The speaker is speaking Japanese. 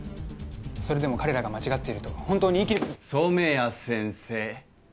それでも彼らが間違っていると本当に言い切れる染谷先生